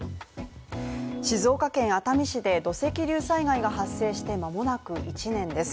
静岡県熱海市で、土石流災害が発生して間もなく１年です。